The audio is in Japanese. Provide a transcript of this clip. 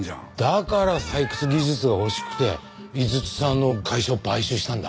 だから採掘技術が欲しくて井筒さんの会社を買収したんだ。